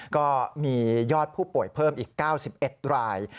ก็มียอดผู้ป่วยเพิ่มอีก๙๑ราย